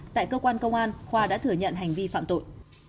tại cơ quan công an khoa đã thừa nhận hành vi phạm tội